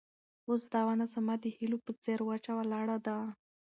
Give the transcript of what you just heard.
اوس دا ونه زما د هیلو په څېر وچه ولاړه ده.